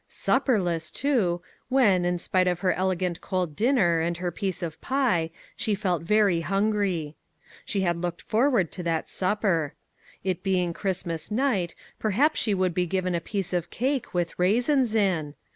Supperless, too, when, in spite of her elegant cold dinner and her piece of pie, she felt very hungry. She had looked forward to that supper. It being Christmas night, perhaps she would be given a piece of cake, with raisins in.